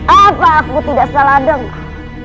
apa aku tidak salah demah